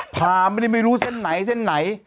พาไม่ได้ไม่รู้เส้นไหน